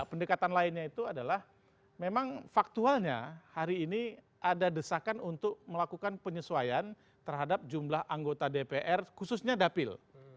pendekatan lainnya itu adalah memang faktualnya hari ini ada desakan untuk melakukan penyesuaian terhadap jumlah anggota dpr khususnya dapil